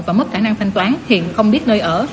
và mất khả năng thanh toán thiện không biết nơi ở